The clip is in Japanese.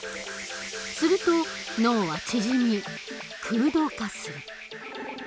すると脳は縮み空洞化する。